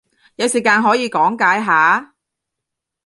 有時間可以講解下？